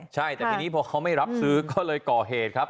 ใช่พอเขาไม่รับซื้อก็เลยก่อเหตุครับ